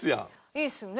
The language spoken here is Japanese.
いいっすよね。